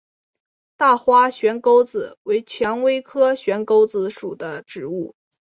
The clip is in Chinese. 大花悬钩子为蔷薇科悬钩子属的植物。